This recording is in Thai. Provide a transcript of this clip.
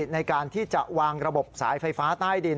ในการที่จะวางระบบสายไฟฟ้าใต้ดิน